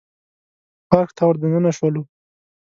پارک ته ور دننه شولو.